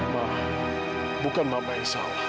ma bukan mama yang salah